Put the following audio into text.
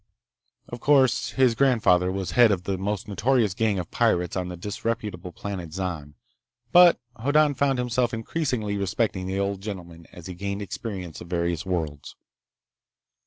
Of course, his grandfather was head of the most notorious gang of pirates on the disreputable planet Zan, but Hoddan found himself increasingly respecting the old gentleman as he gained experience of various worlds.